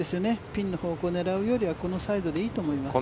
ピンの方向狙うよりはこのサイドでいいと思います。